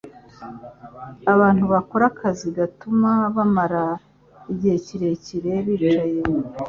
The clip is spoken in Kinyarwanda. abantu bakora akazi gatuma bamara igihe kirekire bicaye